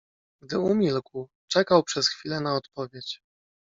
"Gdy umilkł, czekał przez chwile na odpowiedź."